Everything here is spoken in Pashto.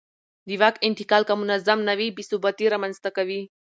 د واک انتقال که منظم نه وي بې ثباتي رامنځته کوي